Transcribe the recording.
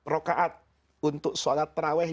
rokaat untuk sholat terawih